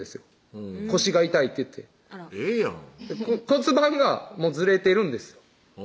骨盤がずれてるんですよ